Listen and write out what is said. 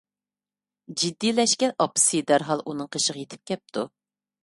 جىددىيلەشكەن ئاپىسى دەرھال ئۇنىڭ قېشىغا يېتىپ كەپتۇ.